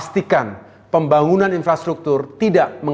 pastikan pembangunan infrastruktur tidak terlalu berat